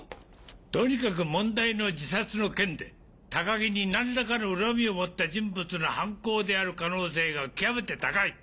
とにかく問題の自殺の件で高木に何らかの恨みを持った人物の犯行である可能性が極めて高い。